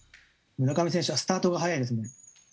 村上選手はスタートが早いですね。